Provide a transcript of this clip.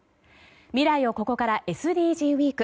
未来をここからＳＤＧｓウィーク。